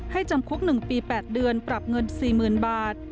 จำคุก๑ปี๘เดือนปรับเงิน๔๐๐๐บาท